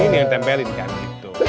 ini yang tempelin kan gitu